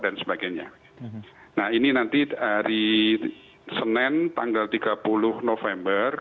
nah ini nanti hari senin tanggal tiga puluh november